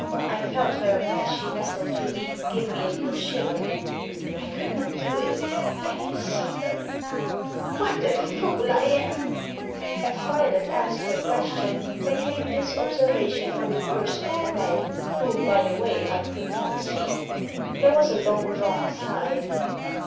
I felt her, as she nestled to me, give me a little shiver. " I could not do it. Can you see her ?*" What a fool I am !" As Violet asked her ques tion there came this observation from the person in the bed — ^whom, by the way, I could not see. There was a long drawn sigh.